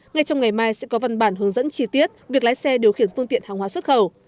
ngay trong ngày mai sẽ có văn bản hướng dẫn chi tiết việc lái xe điều khiển phương tiện hàng hóa xuất khẩu